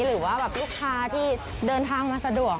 หรือว่าลูกค้าที่เดินทางมาสะดวก